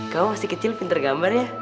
kamu masih kecil pinter gambarnya